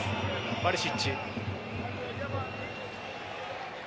バリシッチ。